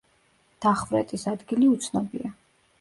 დახვრეტის ადგილი უცნობია.